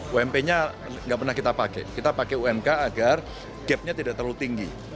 ump nya nggak pernah kita pakai kita pakai umk agar gapnya tidak terlalu tinggi